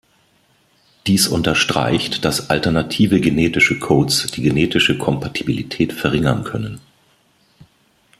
Dies unterstreicht, dass alternative genetische Codes die genetische Kompatibilität verringern können.